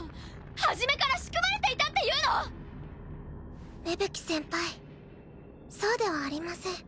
初めから仕組まれていたっていうの⁉芽吹先輩そうではありません。